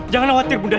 jangan khawatir bunda